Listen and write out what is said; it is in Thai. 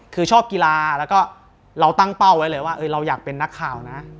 คือชอบกีฬาแล้วก็เราตั้งเป้าไว้เลยว่าเราอยากเป็นนักข่าวนะ